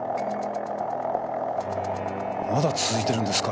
まだ続いてるんですか